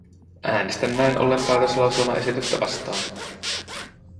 Äänestän näin ollen päätöslauselmaesitystä vastaan.